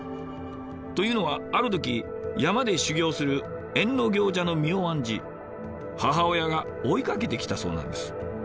というのはある時山で修行する役行者の身を案じ母親が追いかけてきたそうなんです。